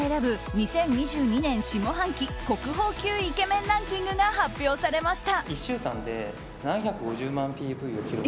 ２０２２年下半期国宝級イケメンランキングが発表されました。